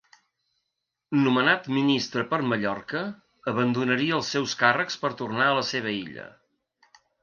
Nomenat ministre per Mallorca abandonaria els seus càrrecs per tornar a la seva illa.